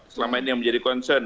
selama ini yang menjadi concern